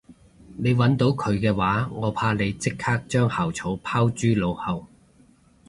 你搵到佢嘅話我怕你即刻將校草拋諸腦後